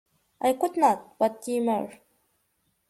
I could not but demur.